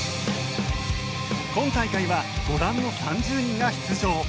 今大会はご覧の３０人が出場。